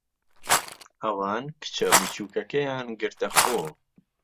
ئەوان کچە بچووکەکەیان گرتەخۆ.